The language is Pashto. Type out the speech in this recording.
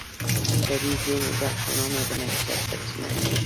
طبیعي زیرمې د افغانانو د معیشت سرچینه ده.